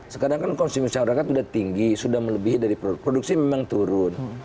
sekarang kan konsumsi masyarakat sudah tinggi sudah melebihi dari produksi memang turun